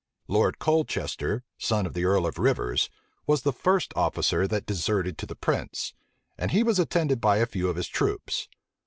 Lord Colchester, son of the earl of Rivers, was the first officer that deserted to the prince; and he was attended by a few of his troops.